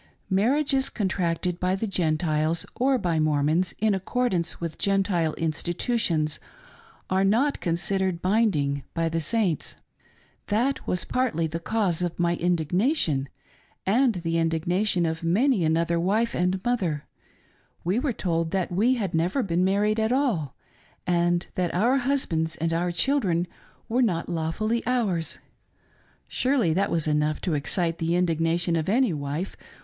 Marriages contracted by the Gentiles, or by Mormons in accordance with Gentile institutions, are not considered bind ing by the Saints. That was partly the cause of my indigna tion and the indignation of many another wife and mother — we were told that we had never been married at all, and that our husbands and our children were not lawfully ours : surely that was enough to excite the indignation of any wife, what aS4 HOW "PROXY."